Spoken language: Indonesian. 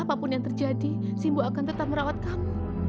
apapun yang terjadi simbo akan tetap merawat kamu